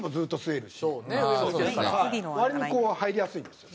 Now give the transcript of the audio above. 割に入りやすいんですよ。